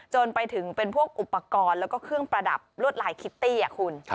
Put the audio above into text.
จนไปถึงเป็นพวกอุปกรณ์แล้วก็เครื่องประดับลวดลายคิตตี้คุณ